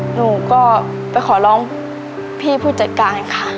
หนูก็ไปขอร้องพี่ผู้จัดการค่ะ